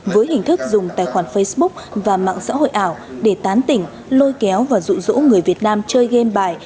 với hình thức dùng tài khoản facebook và mạng xã hội ảo để tán tỉnh lôi kéo và rụ rỗ người việt nam chơi game bài